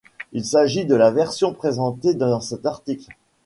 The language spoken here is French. Il s'agit de la version présentée dans cet article.